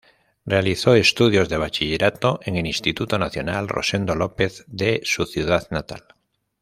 Realizó estudios de Bachillerato en el Instituto Nacional "Rosendo López" de su ciudad natal.